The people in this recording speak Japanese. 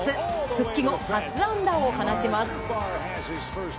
復帰後初安打を放ちます。